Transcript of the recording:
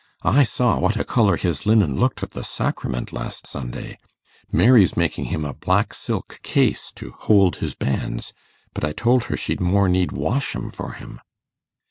I saw what a colour his linen looked at the sacrament last Sunday. Mary's making him a black silk case to hold his bands, but I told her she'd more need wash 'em for him.